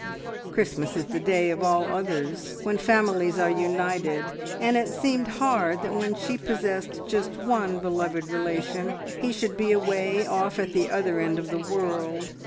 Christmas is the day of all others when families are united, and it seemed hard that when she possessed just one beloved relation, he should be away off at the other end of the world.